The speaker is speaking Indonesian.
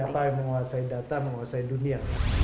siapa yang menguasai data menguasai dunia